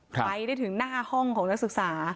ไปได้ถึงหน้าห้องของนักศึกษา